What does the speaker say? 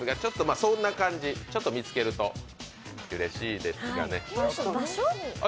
そんな感じ、ちょっと見つけるとうれしいですね。